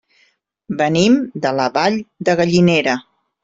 Venim de la Vall de Gallinera.